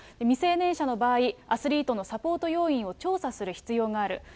未成年者の場合、アスリートのサポート要員を調査する必要がある。